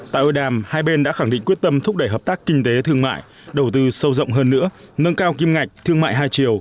tại hội đàm hai bên đã khẳng định quyết tâm thúc đẩy hợp tác kinh tế thương mại đầu tư sâu rộng hơn nữa nâng cao kim ngạch thương mại hai chiều